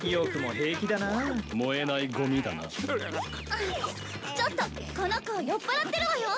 あっちょっとこの子酔っぱらってるわよ。